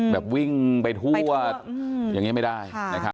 แบบวิ่งไปทั่วอย่างนี้ไม่ได้